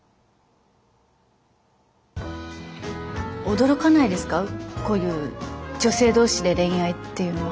驚かないですかこういう女性同士で恋愛っていうのは。